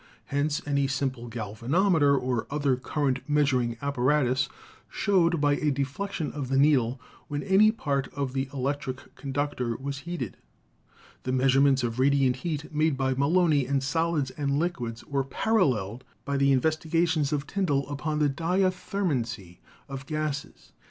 Hence any simple galvanometer or other cur rent measuring apparatus showed by a deflection of the needle when any part of the electric conductor was heated. The measurements of radiant heat made by Melloni in solids and liquids were paralleled by the investigations of Tyndall upon the diathermancy of gases.